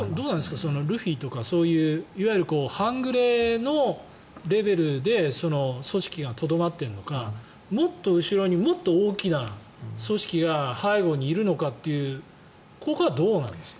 ルフィとかそういういわゆる半グレのレベルで組織がとどまっているのかもっと後ろにもっと大きな組織が背後にいるのかというここはどうなんですか。